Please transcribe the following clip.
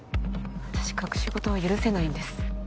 私隠し事は許せないんです